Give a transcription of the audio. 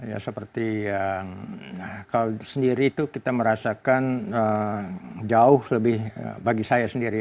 ya seperti yang kalau sendiri itu kita merasakan jauh lebih bagi saya sendiri